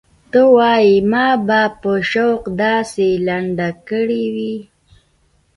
ته وايې ما به په شوق داسې لنډه کړې وي.